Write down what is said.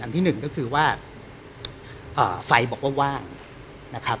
ที่หนึ่งก็คือว่าไฟบอกว่าว่างนะครับ